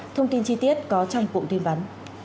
thông tin chi tiết có trong cụ tin vắn